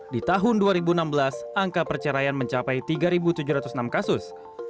di tahun dua ribu enam belas angka perceraian mencapai tiga tujuh ratus enam kasus